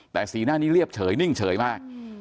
แต่สีหน้านี้เรียบเฉยนิ่งเฉยมาก